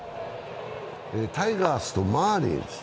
タイガースとマーリンズ。